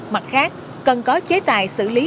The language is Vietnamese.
mặt khác cần có chế tài xử lý